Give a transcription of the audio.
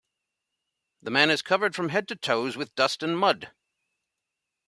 The man is covered from head to toes with dust and mud.